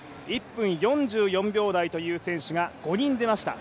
１分４４秒台という選手が５人出ました。